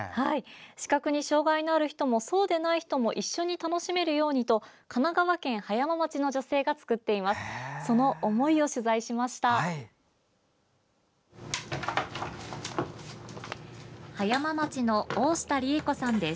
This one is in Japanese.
視覚に障害のある人もそうでない人も一緒に楽しめるようにと神奈川県葉山町の女性が作っています。